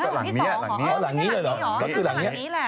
อ๋อหลังนี้เหรอนั่นคือหลังนี้แหละอ๋อหลังนี้เลยเหรอ